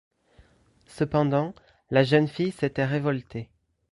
Cependant, la jeune fille s’était révoltée.